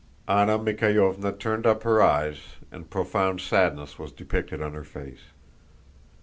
Anna Mikháylovna turned up her eyes, and profound sadness was depicted on her face.